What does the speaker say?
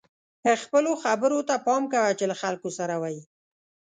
خپلو خبرو ته پام کوه چې له خلکو سره وئ.